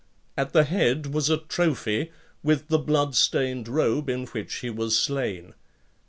At the head was a trophy, with the [bloodstained] robe in which he was slain.